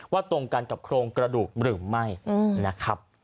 ตรงกันกับโครงกระดูกหรือไม่นะครับ